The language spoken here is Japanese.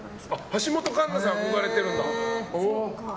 橋本環奈さんに憧れてるんだ。